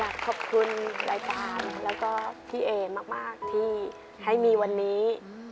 ขอบคุณรายการแล้วก็พี่เอมากที่ให้มีวันนี้